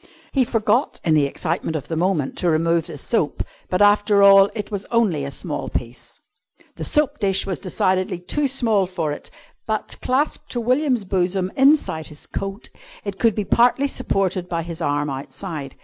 He forgot, in the excitement of the moment, to remove the soap, but, after all, it was only a small piece. The soap dish was decidedly too small for it, but, clasped to William's bosom inside his coat, it could be partly supported by his arm outside.